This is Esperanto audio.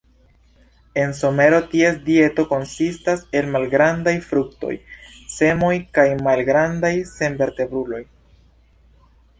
En somero ties dieto konsistas el malgrandaj fruktoj, semoj kaj malgrandaj senvertebruloj.